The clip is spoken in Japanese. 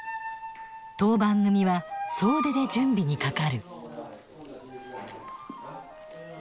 当番組は総出で準備にかかる。